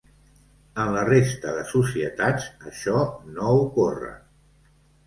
En la resta de societats això no ocorre.